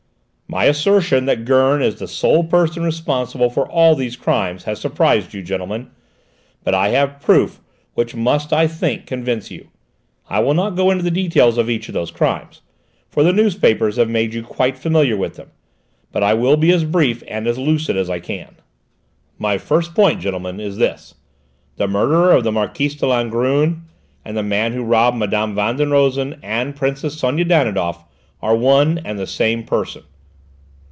"My assertion that Gurn is the sole person responsible for all these crimes has surprised you, gentlemen, but I have proofs which must, I think, convince you. I will not go into the details of each of those cases, for the newspapers have made you quite familiar with them, but I will be as brief and as lucid as I can. "My first point, gentlemen, is this: the murderer of the Marquise de Langrune and the man who robbed Mme. Van den Rosen and Princess Sonia Danidoff are one and the same person.